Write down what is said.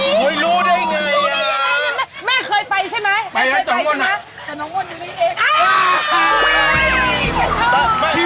โปรดติดตามตอนต่อไป